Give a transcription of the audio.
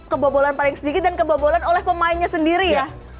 kebobolan paling sedikit dan kebobolan oleh pemainnya sendiri ya